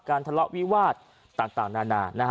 ทะเลาะวิวาสต่างนานา